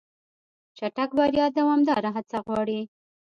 چټک بریا دوامداره هڅه غواړي.